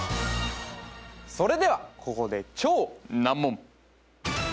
それではここで超難問